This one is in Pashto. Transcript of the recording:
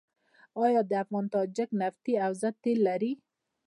آیا د افغان تاجک نفتي حوزه تیل لري؟